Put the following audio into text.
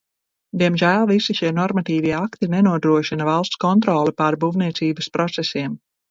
Diemžēl visi šie normatīvie akti nenodrošina valsts kontroli pār būvniecības procesiem.